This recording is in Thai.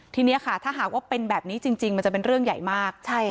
ทีนี้ค่ะถ้าหากว่าเป็นแบบนี้จริงมันจะเป็นเรื่องใหญ่มาก